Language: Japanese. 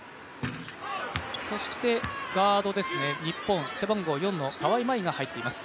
そしてガードですね、背番号４の川井が入っています。